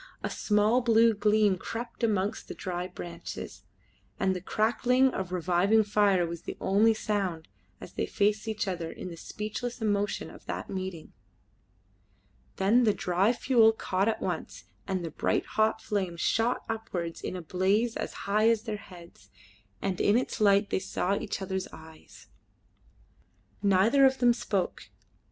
A small blue gleam crept amongst the dry branches, and the crackling of reviving fire was the only sound as they faced each other in the speechless emotion of that meeting; then the dry fuel caught at once, and a bright hot flame shot upwards in a blaze as high as their heads, and in its light they saw each other's eyes. Neither of them spoke.